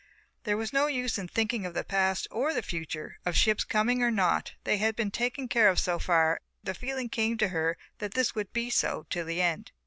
There was no use in thinking of the past or the future, of ships coming or not, they had been taken care of so far and the feeling came to her that this would be so to the end.